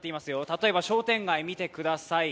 例えば商店街見てください。